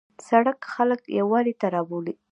سړک خلک یووالي ته رابولي.